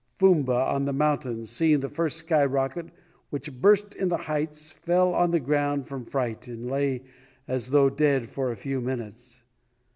Fumba on the mountain, seeing the first sky rocket, which burst in the heights, fell on the ground from fright and lay as though dead for a few minutes.